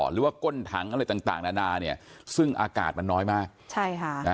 หรือว่าก้นถังอะไรต่างนานาเนี่ยซึ่งอากาศมันน้อยมาก